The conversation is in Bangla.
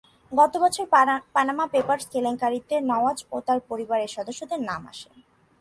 গত বছর পানামা পেপারস কেলেঙ্কারিতে নওয়াজ ও তাঁর পরিবারের সদস্যদের নাম আসে।